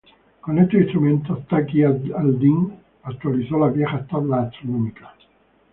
Con estos instrumentos, Taqi ad-Din actualizó las viejas tablas astronómicas.